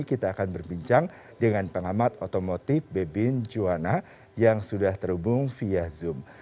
kita akan berbincang dengan pengamat otomotif bebin juwana yang sudah terhubung via zoom